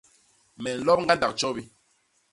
Me nlop ñgandak tjobi.